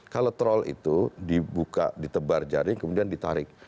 kalau troll itu dibuka ditebar jaring kemudian ditarik